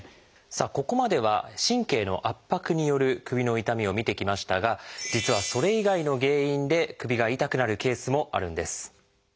さあここまでは神経の圧迫による首の痛みを見てきましたが実はそれ以外の原因で首が痛くなるケースもあるんです。